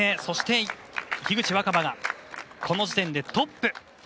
そして樋口新葉がこの時点でトップ。